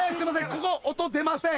ここ音出ません。